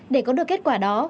để có được kết quả đó